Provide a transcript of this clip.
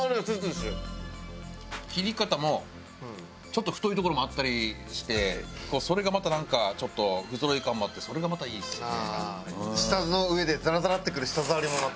切り方もちょっと太いところもあったりしてそれがまたなんかちょっと不ぞろい感もあってそれがまたいいですね。